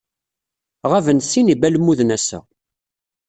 Ɣaben sin n yibalmuden ass-a.